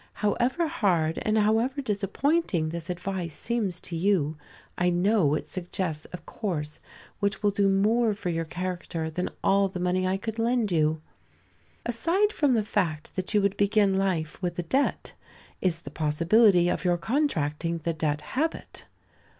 However hard and however disappointing this advice seems to you, I know it suggests a course which will do more for your character than all the money I could lend you. Aside from the fact that you would begin life with a debt, is the possibility of your contracting the debt habit.